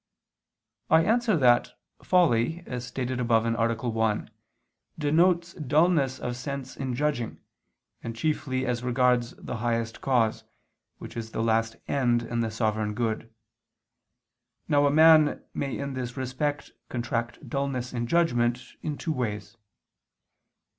I answer that, Folly, as stated above (A. 1), denotes dullness of sense in judging, and chiefly as regards the highest cause, which is the last end and the sovereign good. Now a man may in this respect contract dullness in judgment in two ways.